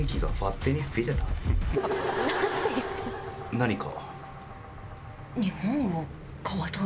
何か？